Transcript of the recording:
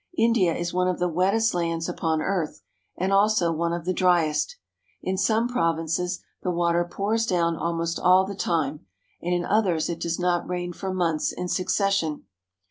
India is one of the wettest lands upon earth, and also one of the driest. In some provinces the water pours down almost all the time, and in others it does not rain for months in succession.